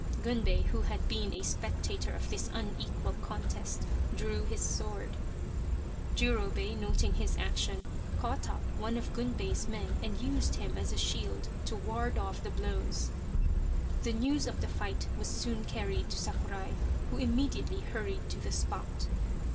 Gunbei, who had been a spectator of this unequal contest, drew his sword. Jurobei, noting his action, caught up one of Gunbei's men and used him as a shield to ward off the blows. The news of the fight was soon carried to Sakurai, who immediately hurried to the spot.